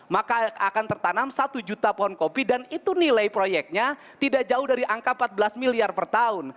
maka akan tertanam satu juta pohon kopi dan itu nilai proyeknya tidak jauh dari angka empat belas miliar per tahun